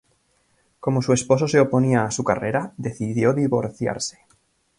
Como su esposo se oponía a su carrera, decidió divorciarse.